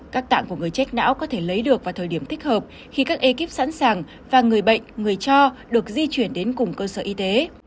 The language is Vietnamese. các tạng của người chết não có thể lấy được vào thời điểm thích hợp khi các ekip sẵn sàng và người bệnh người cho được di chuyển đến cùng cơ sở y tế